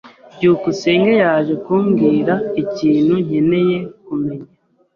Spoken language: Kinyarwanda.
byukusenge yaje kumbwira ikintu nkeneye kumenya.